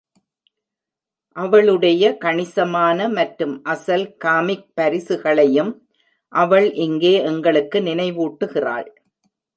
அவளுடைய கணிசமான மற்றும் அசல் காமிக் பரிசுகளையும் அவள் இங்கே எங்களுக்கு நினைவூட்டுகிறாள்.